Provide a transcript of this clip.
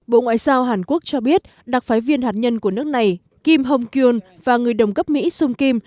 bộ ngoại giao hàn quốc cho biết đặc phái viên hạt nhân của nước này kim hong kyun và người đồng cấp mỹ sung kim